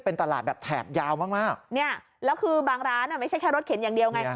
เป็นตลาดแบบแถบยาวมากเนี่ยแล้วคือบางร้านไม่ใช่แค่รถเข็นอย่างเดียวไง